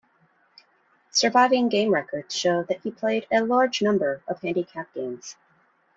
Surviving game records show that he played a large number of handicap games.